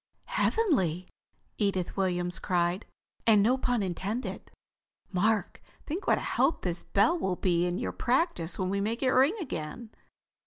"Heavenly!" Edith Williams cried. "And no pun intended. Mark, think what a help this bell will be in your practise when we make it ring again!"